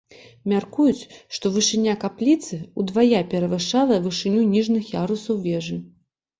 Мяркуюць, што вышыня капліцы ўдвая перавышала вышыню ніжніх ярусаў вежы.